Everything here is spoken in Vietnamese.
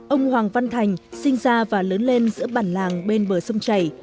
ông hoàng văn thành sinh ra và lớn lên giữa bản làng bên bờ sông chảy